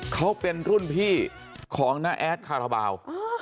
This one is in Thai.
เขาเป็นรุ่นพี่ของน้าแอดคาราบาล